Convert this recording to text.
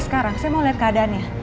sekarang saya mau lihat keadaannya